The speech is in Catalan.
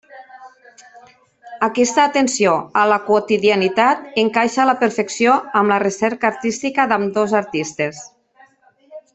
Aquesta atenció a la quotidianitat encaixa a la perfecció amb la recerca artística d’ambdós artistes.